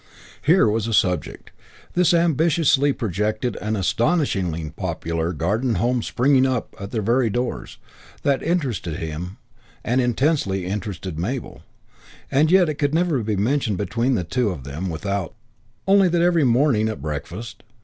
Here was a subject, this ambitiously projected and astonishingly popular Garden Home springing up at their very doors, that interested him and that intensely interested Mabel, and yet it could never be mentioned between them without.... Only that very morning at breakfast....